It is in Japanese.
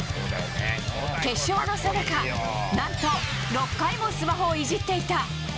決勝のさなか何と６回もスマホをいじっていた。